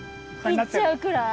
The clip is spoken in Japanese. いっちゃうくらい？